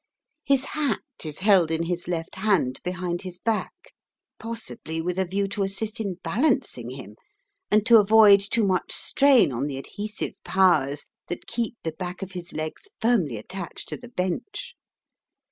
His hat is held in his left hand behind his back possibly with a view to assist in balancing him, and to avoid too much strain on the adhesive powers that keep the back of his legs firmly attached to the bench.